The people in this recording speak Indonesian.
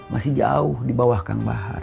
masih jauh dibawah kang bahar